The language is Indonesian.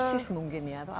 spices mungkin ya